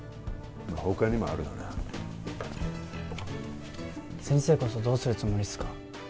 他にもあるがな先生こそどうするつもりっすか？